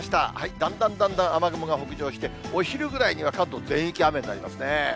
だんだんだんだん雨雲が北上して、お昼ぐらいには関東全域雨になりますね。